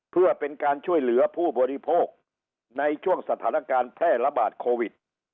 เพื่อเป็นการช่วยเหลือผู้บริโภคในช่วงสถานการณ์แพร่ระบาดโควิด